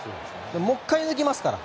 もう１回抜きますから。